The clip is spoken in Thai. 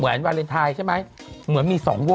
ล่าสุดแฟนก็ออกมาแฉอนะเนี่ย